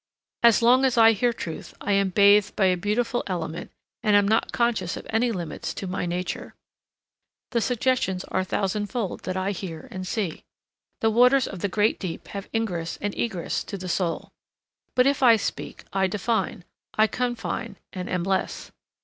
As long as I hear truth I am bathed by a beautiful element and am not conscious of any limits to my nature. The suggestions are thousandfold that I hear and see. The waters of the great deep have ingress and egress to the soul. But if I speak, I define, I confine and am less.